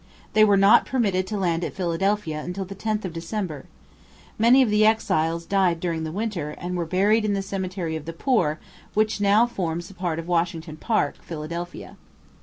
They were not permitted to land at Philadelphia until the 10th of December. Many of the exiles died during the winter, and were buried in the cemetery of the poor which now forms a part of Washington Park, Philadelphia.